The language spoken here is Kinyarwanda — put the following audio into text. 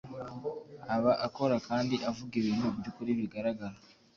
aba akora kandi avuga ibintu by’ukuri bigaragara,